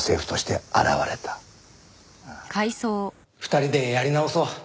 ２人でやり直そう。